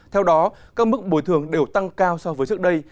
theo đó các mức bồi thường đều tăng cao so với trước đây